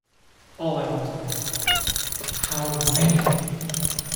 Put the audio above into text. All I want know is how many.